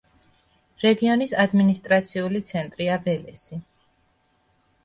რეგიონის ადმინისტრაციული ცენტრია ველესი.